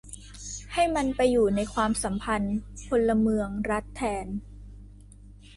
ให้มันไปอยู่ในความสัมพันธ์พลเมือง-รัฐ แทน